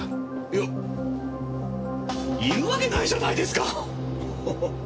いやっいるわけないじゃないですか！